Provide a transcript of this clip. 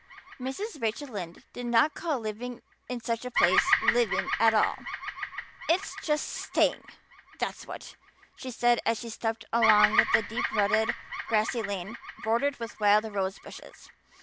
Mrs. Rachel Lynde did not call living in such a place living at all. "It's just staying, that's what," she said as she stepped along the deep rutted, grassy lane bordered with wild rose bushes.